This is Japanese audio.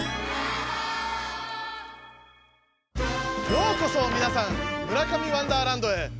ようこそみなさん「村上ワンダーランド」へ。